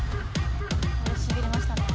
これしびれましたね。